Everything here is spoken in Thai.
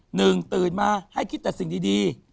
ตื่นมาให้คิดแต่สิ่งดี